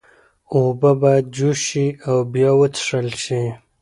اوبه باید جوش شي او بیا وڅښل شي۔